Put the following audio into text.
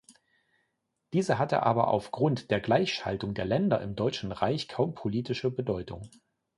Diese hatte aber aufgrund der Gleichschaltung der Länder im Deutschen Reich kaum politische Bedeutung.